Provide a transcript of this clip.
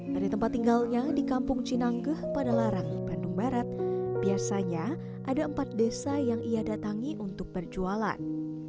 dari tempat tinggalnya di kampung cinanggeh pada larang bandung barat biasanya ada empat desa yang ia datangi untuk berjualan